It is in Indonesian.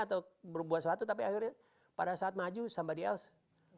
atau buat sesuatu tapi akhirnya pada saat maju somebody else